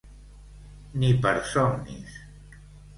Ni per somnis.